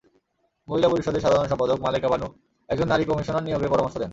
মহিলা পরিষদের সাধারণ সম্পাদক মালেকা বানু একজন নারী কমিশনার নিয়োগের পরামর্শ দেন।